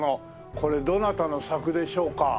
これどなたの作でしょうか？